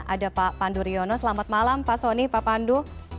ada pak pandu riono selamat malam pak soni pak pandu